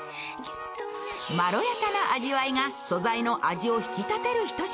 まろやかな味わいが素材の味を引き立てる一品。